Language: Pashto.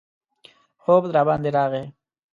خوب راباندې راغی.